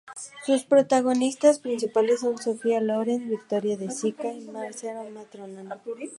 Sus protagonistas principales son Sofía Loren, Vittorio De Sica y Marcello Mastroianni.